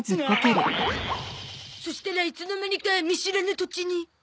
そしたらいつの間にか見知らぬ土地に。